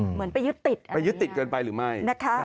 เหมือนไปยึดติดอะไรอย่างนี้นะครับนะคะไปยึดติดเกินไปหรือไม่